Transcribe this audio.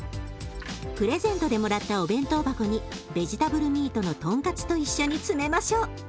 プレゼントでもらったお弁当箱にベジタブルミートのトンカツと一緒に詰めましょう。